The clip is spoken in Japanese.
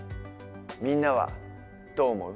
みんなはどう思う？